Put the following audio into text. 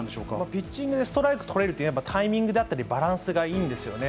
ピッチングでストライク取れるっていうのは、やっぱりタイミングだったり、バランスがいいんですよね。